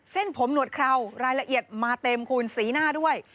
เส้นผมหนวดเครารายละเอียดมาเต็มคูณสีหน้าด้วย